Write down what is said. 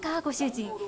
ご主人。